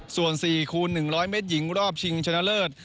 ส่วน๔คูณ๑๐๐เมตรหญิงรอบชิงชนะเลิศ